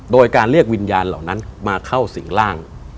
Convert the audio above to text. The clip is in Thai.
โดยการเรียกวิญญาณเหล่านั้นมาเข้าสิ่งร่าง